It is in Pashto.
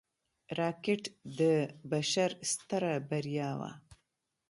راکټ د بشر ستره بریا وه